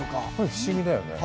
不思議だよね。